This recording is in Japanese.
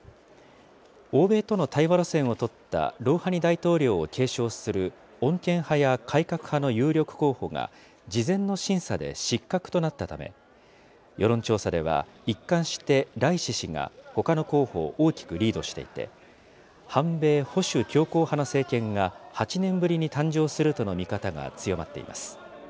欧米との対話路線を取ったロウハニ大統領を継承する穏健派や改革派の有力候補が、事前の審査で失格となったため、世論調査では、一貫してライシ師が、ほかの候補を大きくリードしていて、反米・保守強硬派の政権が、８年ぶりに誕生するとの見方が強まっています。